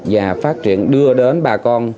và phát triển đưa đến bà con